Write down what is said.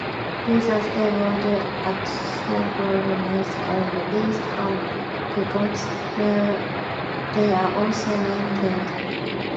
These are stabled at Shoeburyness and East Ham depots, where they are also maintained.